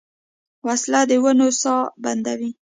وسله د ونو ساه بندوي